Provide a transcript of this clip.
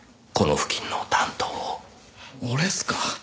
俺っすか？